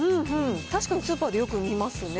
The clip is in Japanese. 確かにスーパーでよく見ますね。